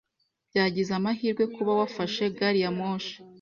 Byagize amahirwe kuba wafashe gari ya moshi.